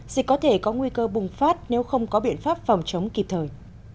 dịch có thể có nguy cơ bùng phát nếu không có biện pháp phòng chống kịp thời